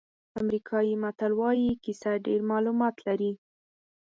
امریکایي متل وایي کیسه ډېر معلومات لري.